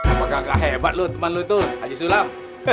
apa kagak hebat lo teman lo itu haji sulam